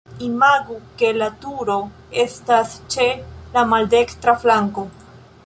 Imagu ke la turo estas ĉe la maldekstra flanko.